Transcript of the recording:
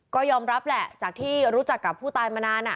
ก็ยอมรับแหละจากที่รู้จักกับผู้ตายมานาน